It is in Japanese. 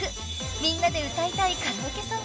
［「みんなで歌いたいカラオケ曲」］